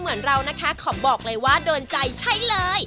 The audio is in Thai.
เหมือนเรานะคะขอบอกเลยว่าโดนใจใช่เลย